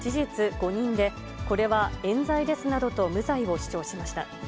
誤認で、これはえん罪ですなどと無罪を主張しました。